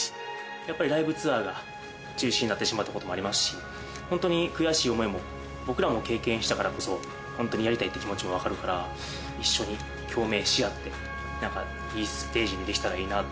やっぱりライブツアーが中止になってしまったこともありますし、本当に悔しい想いも僕らも経験したからこそ、本当にやりたいって気持ちも分かるから、一緒に共鳴し合って、なんか、いいステージにできたらいいなっ